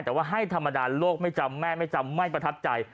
แต่ว่าให้ธรรมดาโลกไม่จำแม่ไม่จำไม่ประทับใจ